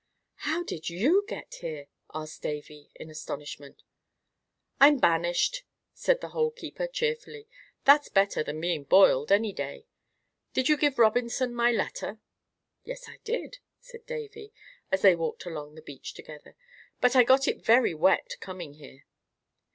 "How did you get here?" asked Davy, in astonishment. "I'm banished," said the Hole keeper, cheerfully. "That's better than being boiled, any day. Did you give Robinson my letter?" "Yes, I did," said Davy, as they walked along the beach together; "but I got it very wet coming here."